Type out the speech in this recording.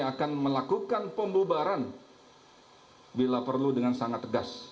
akan melakukan pembubaran bila perlu dengan sangat tegas